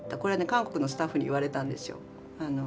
韓国のスタッフに言われたんですよ。